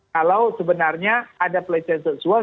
kalau sebenarnya ada pelecehan seksual